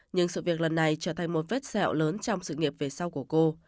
nhưng sự việc lần này trở thành một vết sẹo lớn trong sự nghiệp về sau của cô